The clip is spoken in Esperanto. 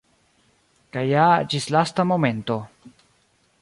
Kaj ja ĝis lasta momento!